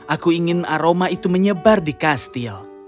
aku ingin aroma itu menyebar di kastil